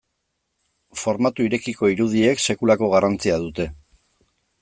Formatu irekiko irudiek sekulako garrantzia dute.